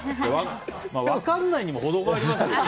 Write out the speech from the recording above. まあ分かんないにも程がありますよね。